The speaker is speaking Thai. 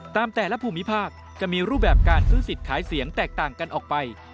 แต่ละภูมิภาคจะมีรูปแบบการซื้อสิทธิ์ขายเสียงแตกต่างกันออกไป